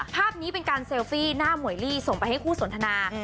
ภาพนี้เป็นการเซลฟี่หน้าหมวยลี่ส่งไปให้คู่สนทนา